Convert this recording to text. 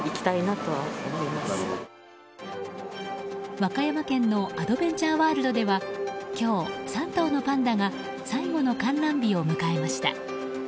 和歌山県のアドベンチャーワールドでは今日、３頭のパンダが最後の観覧日を迎えました。